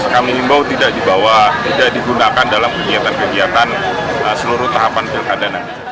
kami himbau tidak dibawa tidak digunakan dalam kegiatan kegiatan seluruh tahapan pilkada nanti